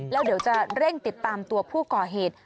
แล้วเดี๋ยวจะเร่งติดตามตัวผู้ก่อเหตุ